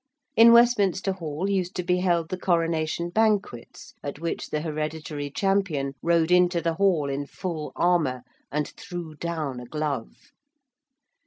In Westminster Hall used to be held the Coronation Banquets at which the hereditary champion rode into the Hall in full armour and threw down a glove.